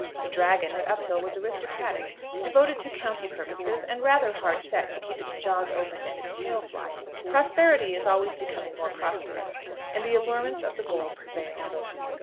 The Dragon at Uphill was aristocratic, devoted to county purposes, and rather hard set to keep its jaws open and its tail flying. Prosperity is always becoming more prosperous, and the allurements of the Bull prevailed.